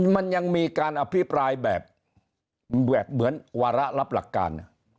มันยังมีการอภิปรายแบบเหมือนวาระรับหลักการ